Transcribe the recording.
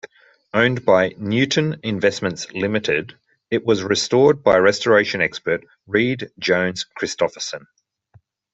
Owned by "Newton Investments Limited", it was restored by restoration expert Read Jones Christofferson.